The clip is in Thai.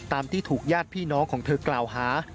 ที่ถูกญาติพี่น้องของเธอกล่าวหา